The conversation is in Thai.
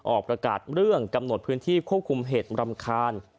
ออกประกาศเรื่องกำหนดพื้นที่ควบคุมเหตุรำคาญ